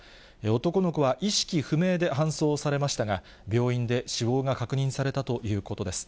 男の子は意識不明で搬送されましたが、病院で死亡が確認されたということです。